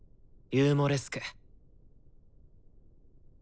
「ユーモレスク」